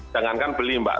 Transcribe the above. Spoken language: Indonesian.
jangankan beli mbak